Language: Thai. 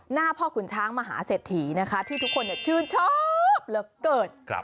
หน้าพ่อขุนช้างมหาเศรษฐีนะคะที่ทุกคนชื่นชอบเหลือเกิน